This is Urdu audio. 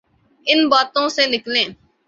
ان باتوں سے نکلیں۔